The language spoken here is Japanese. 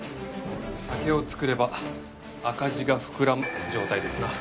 酒を造れば赤字が膨らむ状態ですな。